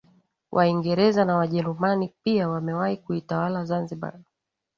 Waingereza na wajerumani pia wamewahi kuitawala Zanzibar